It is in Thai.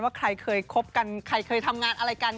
ใครเคยคบกันใครเคยทำงานอะไรกัน